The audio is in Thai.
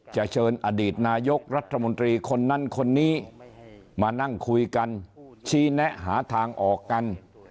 เชิญอดีตนายกรัฐมนตรีคนนั้นคนนี้มานั่งคุยกันชี้แนะหาทางออกกัน